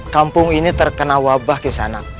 kampung ini terkena wabah kesana